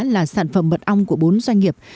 là sản phẩm mật ong của bốn doanh nghiệp